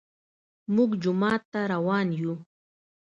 موږ جومات ته روان يو